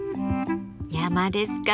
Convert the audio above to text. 山ですか。